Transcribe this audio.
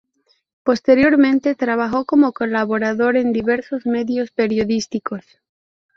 Posteriormente trabajó como colaborador en diversos medios periodísticos.